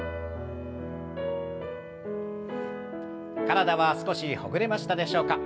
体は少しほぐれましたでしょうか？